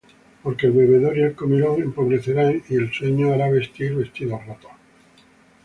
Porque el bebedor y el comilón empobrecerán: Y el sueño hará vestir vestidos rotos.